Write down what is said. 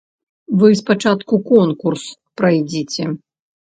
Вы спачатку конкурс прайдзіце.